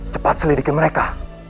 cepat selidiki mereka